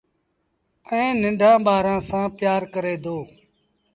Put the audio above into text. ائيٚݩ ننڍآݩ ٻآرآݩ سآݩ پيٚآر ڪري دو